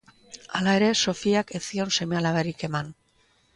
Hala ere Sofiak ez zion seme-alabarik eman.